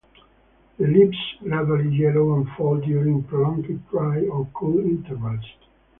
The leaves gradually yellow and fall during prolonged dry or cool intervals.